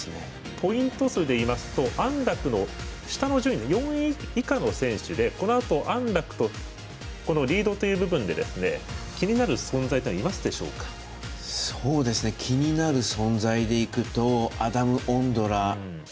ポイント数でいいますと安楽の下の順位４位以下の選手でこのあと、安楽とリードという部分で気になる存在というのは気になる存在でいくとアダム・オンドラ。